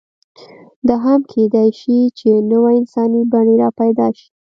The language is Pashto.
دا هم کېدی شي، چې نوې انساني بڼې راپیدا شي.